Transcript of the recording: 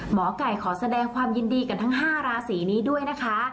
หมอไก่ขอแสดงความยินดีกับทั้ง๕ราศีนี้ด้วยนะคะ